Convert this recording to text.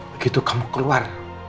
begitu kamu keluar